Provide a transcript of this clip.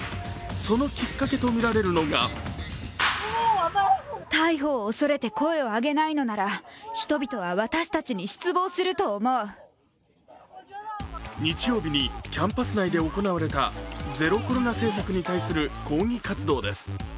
そのきっかけとみられるのが日曜日にキャンパス内で行われたゼロコロナ政策に対する抗議活動です。